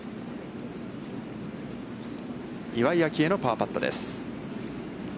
岩井明愛のパーパットです。